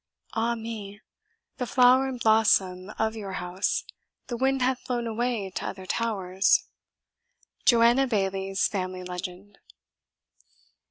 Ah me! the flower and blossom of your house, The wind hath blown away to other towers. JOANNA BAILLIE'S FAMILY LEGEND.